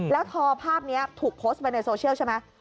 แล้วทอภาพนี้ถูกโพสต์ไปในโซเชียลใช่ไหม